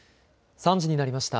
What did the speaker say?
３時になりました。